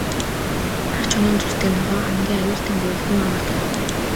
Хар чонын зүстэй нохойн хамгийн аюултай нь гэвэл хүн амар танихгүй.